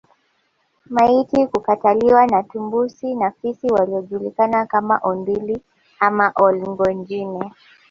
Maiti kukataliwa na tumbusi na fisi wanaojulikana kama Ondili ama Olngojine